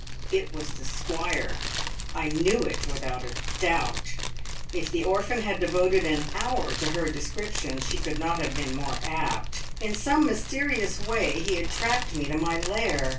It was the Squire! I knew it without a doubt. If the orphan had devoted an hour to her description, she could not have been more apt. In some mysterious way he had tracked me to my lair.